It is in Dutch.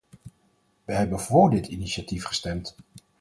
Wij hebben voor dit initiatief gestemd.